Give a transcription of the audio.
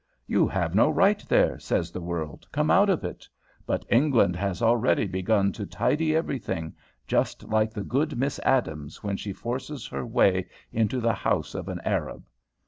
'You have no right there,' says the world. 'Come out of it!' But England has already begun to tidy everything, just like the good Miss Adams when she forces her way into the house of an Arab.